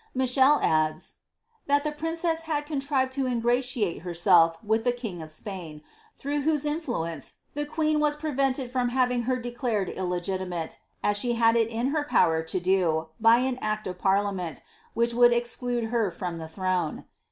Michele adds, ^ that the princess had contrived to ingratiate herself with the king of Spain, through whose influence the queen was prevented from having her declared illegitimate, as she had it in her power to do, by an act of parliament, which would exclude her from the throne.